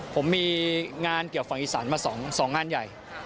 ผมมีงานเกี่ยวฝั่งอีสานมา๒งานใหญ่